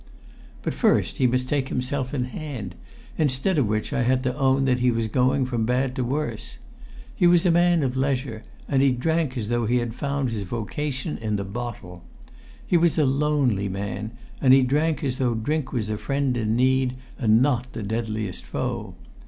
But first he must take himself in hand, instead of which I had to own that he was going from bad to worse. He was a man of leisure, and he drank as though he had found his vocation in the bottle. He was a lonely man, and he drank as though drink was a friend in need and not the deadliest foe.